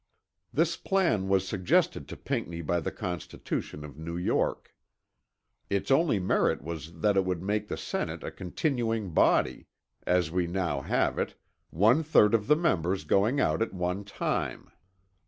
This plan was suggested to Pinckney by the constitution of New York. Its only merit was that it would make the Senate a continuing body, as we now have it, one third of the members going out at one time.